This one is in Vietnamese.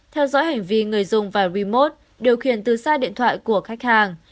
theo dõi hành vi người dùng và remote điều khiển từ xa điện thoại của khách hàng